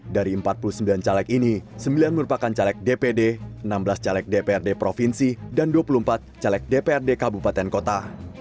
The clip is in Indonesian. dari empat puluh sembilan caleg ini sembilan merupakan caleg dpd enam belas caleg dprd provinsi dan dua puluh empat caleg dprd kabupaten kota